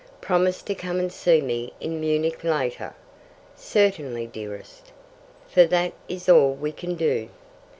Promise to come and see me in Munich later." "Certainly, dearest." "For that is all we can do."